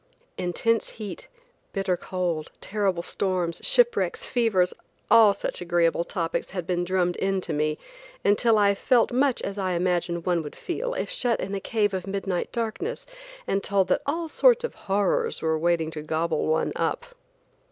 Intense heat, bitter cold, terrible storms, shipwrecks, fevers, all such agreeable topics had been drummed into me until I felt much as I imagine one would feel if shut in a cave of midnight darkness and told that all sorts of horrors were waiting to gobble one up.